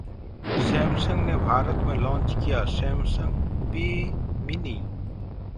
Samsung ने भारत में लॉन्च किया Samsung Pay Mini